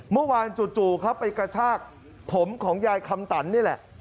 เมื่อวานจู่เขาไปกระชากผมของยายคำตันนี่แหละ